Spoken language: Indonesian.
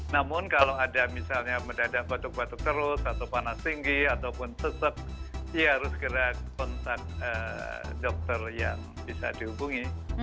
namun kalau ada misalnya mendadak batuk batuk terus atau panas tinggi ataupun sesek ya harus gerak kontak dokter yang bisa dihubungi